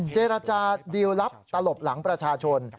เจรจาดีลลับตลบหลังประชาชน